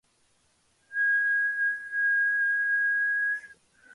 She moved on to the University of Kansas to work on her PhD.